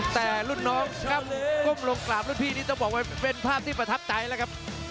แต่รุ่นน้องก้มลงกราบรุ่นพี่นี่ต้องบอกว่าเป็นภาพที่ประทับใจแล้วครับ